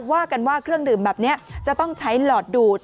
ว่ากันว่าเครื่องดื่มแบบนี้จะต้องใช้หลอดดูด